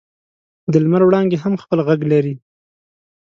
د لمر وړانګې هم خپل ږغ لري.